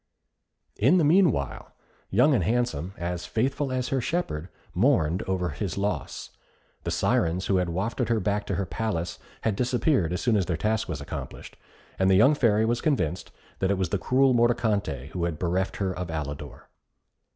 In the meanwhile, Young and Handsome, as faithful as her shepherd, mourned over his loss. The Syrens who had wafted her back to her palace had disappeared as soon as their task was accomplished, and the young Fairy was convinced that it was the cruel Mordicante who had bereft her of Alidor.